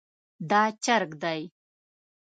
دا چرګ دی